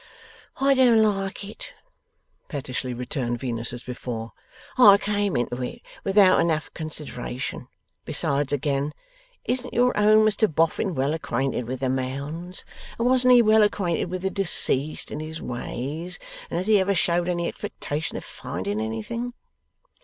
'I don't like it,' pettishly returned Venus as before. 'I came into it without enough consideration. And besides again. Isn't your own Mr Boffin well acquainted with the Mounds? And wasn't he well acquainted with the deceased and his ways? And has he ever showed any expectation of finding anything?